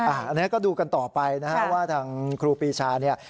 อันนี้ก็ดูกันต่อไปนะครับว่าทางครูปีชาเนี่ย